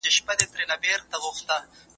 هغه محصل چي په شا ناست دی ډېر لایق دی.